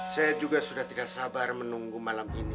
saya juga sudah tidak sabar menunggu malam ini